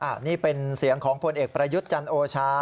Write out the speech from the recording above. อันนี้เป็นเสียงของพลเอกประยุทธ์จันโอชา